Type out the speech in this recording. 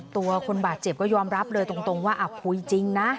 ตัวคนบาดเจ็บก็ยอมรับเลยตรงว่าคุยจริงนะ